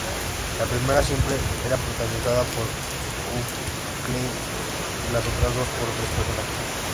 La primera siempre era protagonizada por Huckleberry y las otras dos por otros personajes.